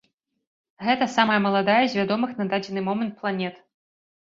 Гэта самая маладая з вядомых на дадзены момант планет.